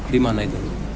di mana itu